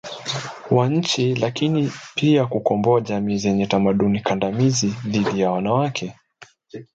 wa nchi lakini pia kukomboa jamii zenye tamaduni kandamizi dhidi ya wanawake